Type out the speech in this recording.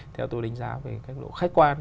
theo tôi đánh giá về các độ khách quan